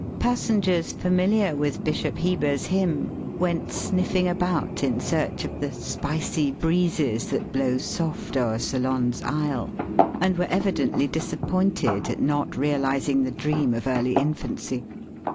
Passengers familiar with Bishop Heber's hymn went sniffing about in search of the " Spicy breezes that blow soft o'er Ceylon's isle," and were evidently disappointed at not realizing the dream of early infancy.